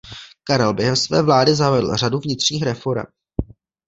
Karel během své vlády zavedl řadu vnitřních reforem.